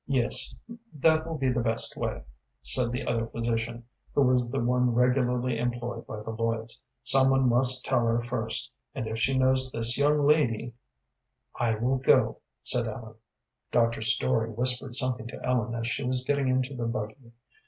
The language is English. "Yes, that will be the best way," said the other physician, who was the one regularly employed by the Lloyds. "Some one must tell her first, and if she knows this young lady " "I will go," said Ellen. Dr. Story whispered something to Ellen as she was getting into the buggy.